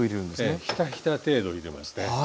ええひたひた程度入れますね。